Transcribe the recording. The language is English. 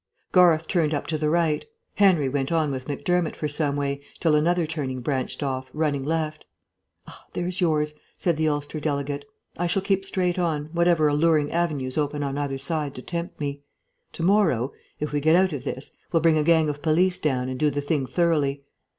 Garth turned up to the right. Henry went on with Macdermott for some way, till another turning branched off, running left. "Ah, there's yours," said the Ulster delegate. "I shall keep straight on, whatever alluring avenues open on either side to tempt me. To morrow (if we get out of this) we'll bring a gang of police down and do the thing thoroughly.